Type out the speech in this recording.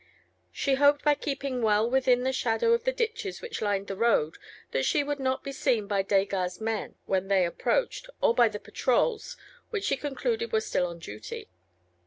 She hoped by keeping well within the shadow of the ditches which lined the road, that she would not be seen by Desgas' men, when they approached, or by the patrols, which she concluded were still on duty.